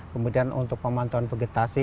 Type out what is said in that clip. kemudian untuk pemantauan vegetasi